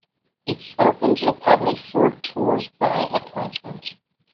It is open to the public for tours by appointment.